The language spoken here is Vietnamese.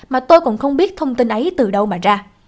mà tôi cũng không biết thông tin ấy từ đâu mà ra